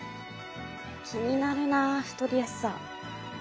気になるな太りやすさ。